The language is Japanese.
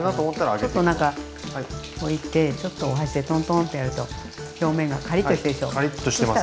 ちょっと何か置いてちょっとお箸でトントンってやると表面がカリッとしてるでしょ。